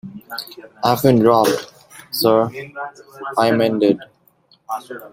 I have been robbed, sir, I amended.